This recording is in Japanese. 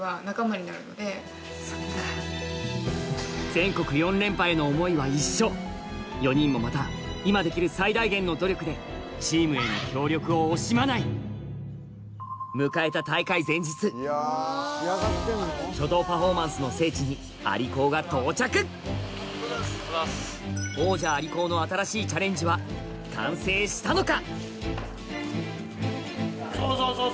全国４人もまた今できる最大限の努力でチームへの協力を惜しまない迎えた書道パフォーマンスの聖地に蟻高が到着王者蟻高の新しいチャレンジは完成したのか？